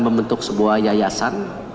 membentuk sebuah yayasan